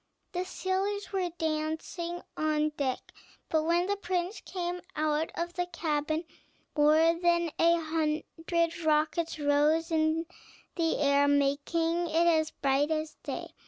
The sailors were dancing on deck, but when the prince came out of the cabin, more than a hundred rockets rose in the air, making it as bright as day.